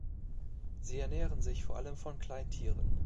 Sie ernähren sich vor allem von Kleintieren.